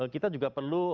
kita juga perlu